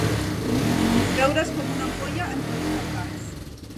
Veure's com una ampolla entre dos cantals.